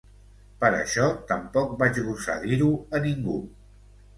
Per això tampoc vaig gosar dir-ho a ningú.